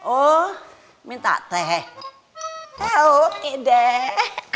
oh minta teh eh oke deh